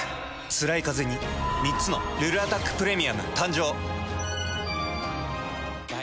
つらいカゼに３つの「ルルアタックプレミアム」誕生。